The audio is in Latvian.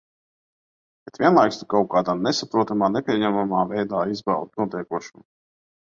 Bet vienlaikus tu kaut kādā nesaprotamā, nepieņemamā veidā izbaudi notiekošo.